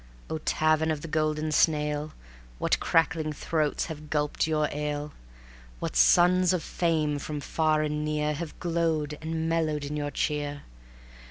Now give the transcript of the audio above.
O Tavern of the Golden Snail! What crackling throats have gulped your ale! What sons of Fame from far and near Have glowed and mellowed in your cheer!